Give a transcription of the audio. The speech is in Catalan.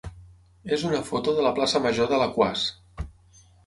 és una foto de la plaça major d'Alaquàs.